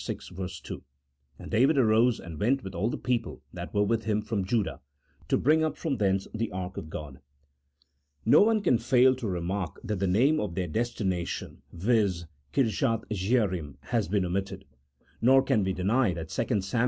2 :" And David arose and went with all the people that were with him from Judah, to bring up from thence the ark of God." No one can fail to remark that the name of their destina tion, viz., Kirjath jearim^has been omitted: nor can we deny that 2 Sam.